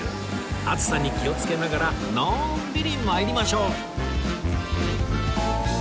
暑さに気をつけながらのんびり参りましょう